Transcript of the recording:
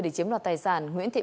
để chiếm đoạt tài sản